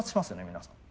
皆さん。